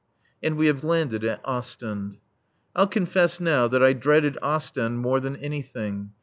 And we have landed at Ostend. I'll confess now that I dreaded Ostend more than anything.